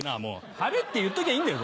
晴れって言っときゃいいんだよ。